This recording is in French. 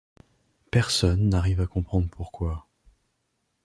Personne n’arrive à comprendre pourquoi.